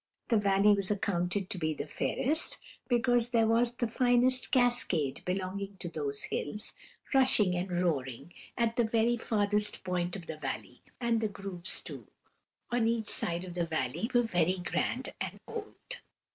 The valley was accounted to be the fairest, because there was the finest cascade belonging to those hills rushing and roaring at the very farthest point of the valley; and the groves, too, on each side of the valley were very grand and old.